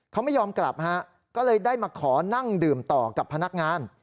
เขาไม่ยอมกลับฮะก็เลยได้มาขอนั่งดื่มต่อกับพนักงาน